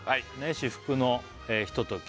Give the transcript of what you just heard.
「至福のひととき」